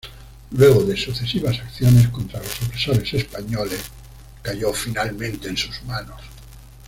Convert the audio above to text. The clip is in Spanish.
Luego de sucesivas acciones contra los opresores españoles cayó finalmente en su manos.